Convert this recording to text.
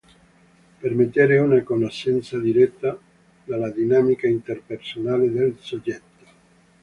Permettere una conoscenza diretta della dinamica interpersonale del soggetto.